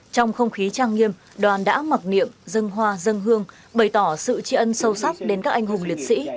trong không khí trang nghiêm đoàn đã mặc niệm dân hoa dân hương bày tỏ sự tri ân sâu sắc đến các anh hùng liệt sĩ